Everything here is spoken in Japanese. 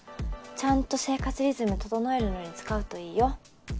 ちゃんと生活リズム整えるのに使うといいよ